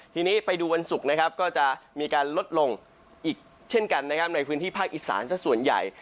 ทีนี้ไฟดูวันศุกร์ก็จะมีการลดลงอีกเช่นกันในพื้นที่ภาคอีสานส่วนใหญ่